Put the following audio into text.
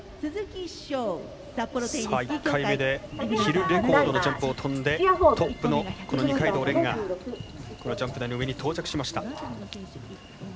１回目でヒルレコードのジャンプを飛んでトップの二階堂蓮がジャンプ台の上に到着しました。